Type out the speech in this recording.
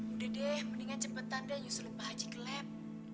udah deh mendingan cepetan deh nyusulin pak haji ke lab